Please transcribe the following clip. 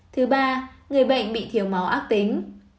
thứ ba người bệnh bị thiếu máu ác tính